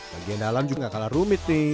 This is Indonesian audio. bagian dalam juga kalah rumit nih